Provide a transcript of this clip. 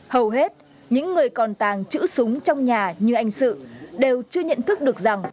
hầu hết những người còn tàng trữ súng trong nhà như anh sự đều chưa nhận thức được rằng